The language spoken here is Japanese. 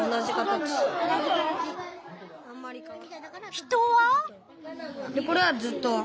人は？